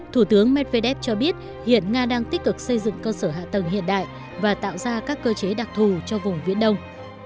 thủ tướng medvedev cho biết hiện nga đang tích cực xây dựng cơ sở hạ tầng hiện đại và tạo ra các cơ chế đặc thù cho vùng viễn đông